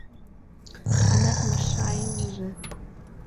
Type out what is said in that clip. Адак мешайынеже!